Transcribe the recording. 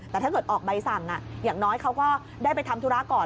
แต่ถ้าเกิดออกใบสั่งอย่างน้อยเขาก็ได้ไปทำธุระก่อน